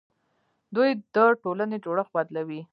دوی د ټولنې جوړښت بدلوي.